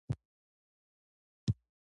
یوه طریقه د لاشعور په مرسته ده.